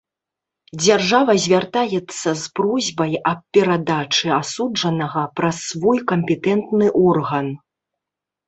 Дзяржава звяртаецца з просьбай аб перадачы асуджанага праз свой кампетэнтны орган.